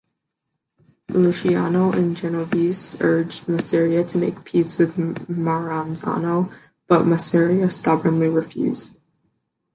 Luciano and Genovese urged Masseria to make peace with Maranzano, but Masseria stubbornly refused.